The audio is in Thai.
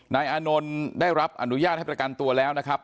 นายอานนท์ได้รับอนุญาตให้ประกันตัวแล้วนะครับ